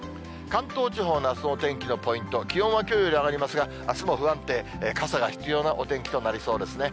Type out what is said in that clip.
関東地方のあすのお天気のポイント、気温はきょうより上がりますが、あすも不安定、傘が必要なお天気となりそうですね。